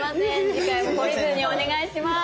次回も懲りずにお願いします。